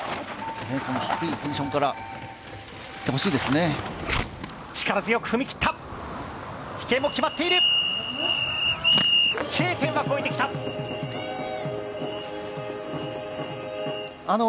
この低いポジションから、いってほしいですね。